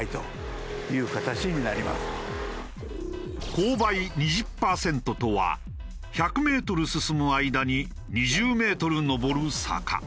勾配２０パーセントとは１００メートル進む間に２０メートル上る坂。